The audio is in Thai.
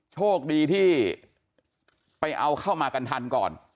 โชคดีที่ไปเอาเข้ามากันทันก่อน